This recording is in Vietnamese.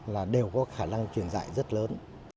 là đều có khả năng truyền dại rất lớn